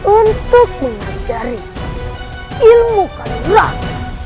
untuk mengajari ilmu kanduran